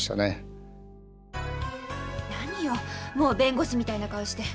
何よもう弁護士みたいな顔して。